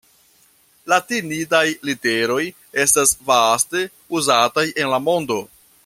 Latinidaj literoj estas vaste uzataj en la mondo.